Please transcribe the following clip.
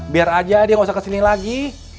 biar aja dia nggak usah kesini lagi